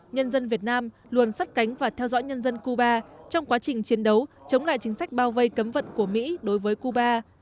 nhân dân việt nam luôn sắt cánh và theo dõi nhân dân cuba trong quá trình chiến đấu chống lại chính sách bao vây cấm vận của mỹ đối với cuba